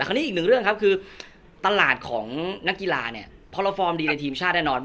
นี้อีกหนึ่งเรื่องครับคือตลาดของนักกีฬาเนี่ยพอเราฟอร์มดีในทีมชาติแน่นอน